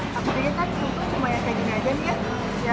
cuma apelnya tadi itu cuman yang kayak gini aja nih ya